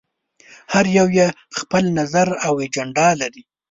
هر يو یې خپل نظر او اجنډا لري.